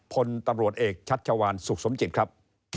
พลตำรวจเอกชัชวานสุขสมจิตครับ